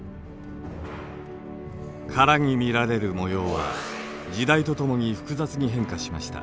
殻に見られる模様は時代とともに複雑に変化しました。